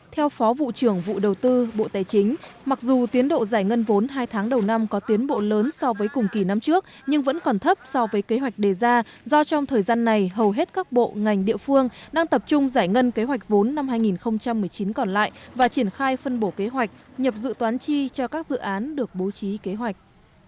theo phó vụ trưởng vụ đầu tư bộ tài chính mặc dù tiến độ giải ngân vốn hai tháng đầu năm có tiến bộ lớn so với cùng kỳ năm trước nhưng vẫn còn thấp so với kế hoạch đề ra do trong thời gian này hầu hết các bộ ngành địa phương đang tập trung giải ngân kế hoạch vốn năm hai nghìn một mươi chín còn lại và triển khai phân bổ kế hoạch nhập dự toán chi cho các dự án được bố trí kế hoạch